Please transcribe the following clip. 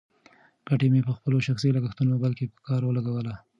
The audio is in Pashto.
ګټه مې په خپلو شخصي لګښتونو نه، بلکې په کار ولګوله.